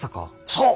そう！